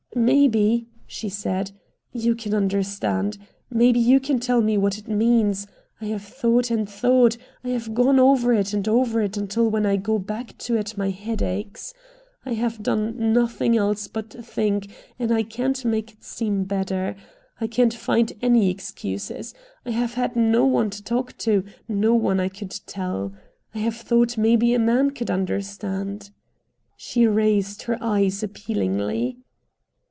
"Maybe," she said, "you can understand. Maybe you can tell me what it means. I have thought and thought. I have gone over it and over it until when I go back to it my head aches. I have done nothing else but think, and I can't make it seem better. I can't find any excuse. I have had no one to talk to, no one I could tell. I have thought maybe a man could understand." She raised her eyes appealingly.